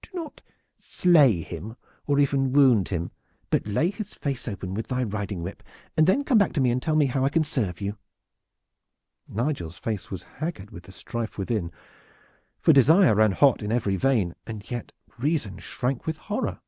Do not slay him, nor even wound him, but lay his face open with thy riding whip, and then come back to me and tell me how I can serve you." Nigel's face was haggard with the strife within, for desire ran hot in every vein, and yet reason shrank with horror.